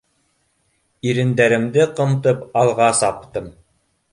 Ирендәремде ҡымтып, алға саптым.